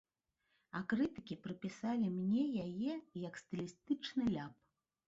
А крытыкі прыпісалі мне яе як стылістычны ляп.